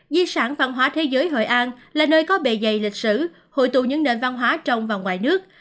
di sản văn hóa thế giới hội an là nơi có bề dày lịch sử hội tụ những nền văn hóa trong và ngoài nước